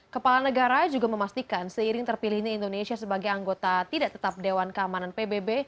kepala negara juga memastikan seiring terpilihnya indonesia sebagai anggota tidak tetap dewan keamanan pbb